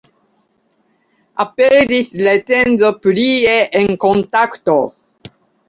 Aperis recenzo prie en Kontakto.